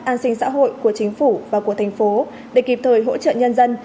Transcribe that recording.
an sinh xã hội của chính phủ và của thành phố để kịp thời hỗ trợ nhân dân